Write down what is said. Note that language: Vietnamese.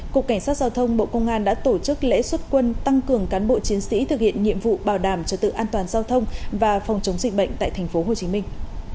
cục cảnh sát giao thông bộ công an đã tổ chức lễ xuất quân tăng cường cán bộ chiến sĩ thực hiện nhiệm vụ bảo đảm cho tự an toàn giao thông và phòng chống dịch bệnh tại thành phố hồ chí minh